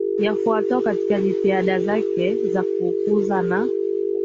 yafuatayo katika jitihada zake za kukuza na